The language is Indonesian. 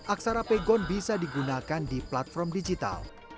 aksara pegon bisa digunakan di platform digital